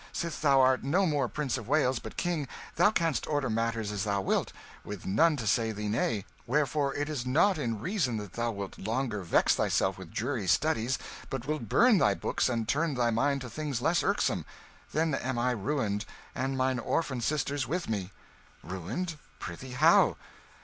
Sith thou art no more Prince of Wales but King, thou canst order matters as thou wilt, with none to say thee nay; wherefore it is not in reason that thou wilt longer vex thyself with dreary studies, but wilt burn thy books and turn thy mind to things less irksome. Then am I ruined, and mine orphan sisters with me!" "Ruined? Prithee how?"